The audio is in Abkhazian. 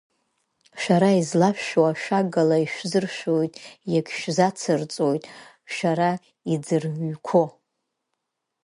Шәара излашәшәо ашәагала ишәзыршәоит иагьшәзацырҵоит шәара иӡырҩқәо.